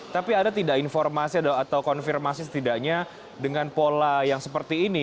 tapi ada tidak informasi atau konfirmasi setidaknya dengan pola yang seperti ini